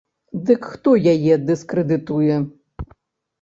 Дык хто яе дыскрэдытуе?